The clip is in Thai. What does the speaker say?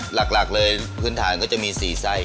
หลักเลยผืนฐานก็จะมี๔ไซค์